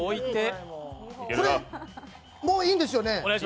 これ、もういいんですよね？